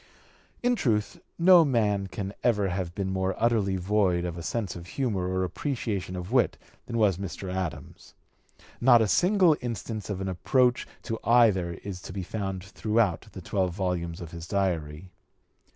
In truth, no man can ever have been more utterly void of a sense of humor or an appreciation of wit than was Mr. Adams. Not a single instance of an approach to either is to be found throughout the twelve volumes of his Diary.